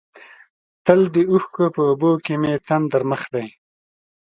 تل د اوښکو په اوبو کې مې تندر مخ دی.